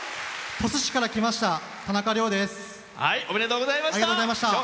鳥栖市から来ましたたなかです。